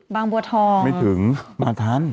บางบัวทองไม่ถึงบางท่าน